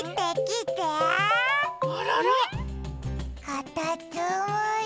かたつむり。